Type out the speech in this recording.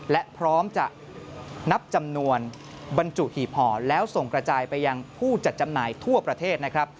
และพร้อมจะนับจำนวนบรรจุหีบห่อแล้วส่งกระจายไปยังผู้จัดจำหน่ายทั่วประเทศนะครับ